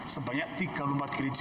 sebanyak tiga puluh empat gereja